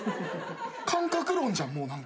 感覚論じゃんもう何か。